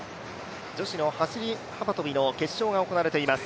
女子の走り幅跳びの決勝が行われています。